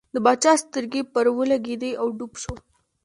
د باچا سترګې پر ولګېدې او ډوب شو.